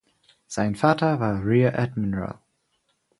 Sein Vater war Rear Admiral.